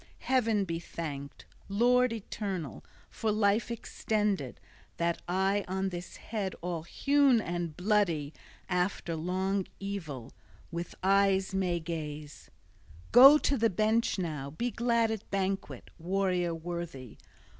Heaven be thanked, Lord Eternal, for life extended that I on this head all hewn and bloody, after long evil, with eyes may gaze! Go to the bench now! Be glad at banquet, warrior worthy!